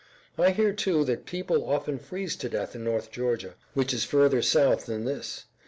I hear, too, that people often freeze to death in North Georgia, which is further south than this.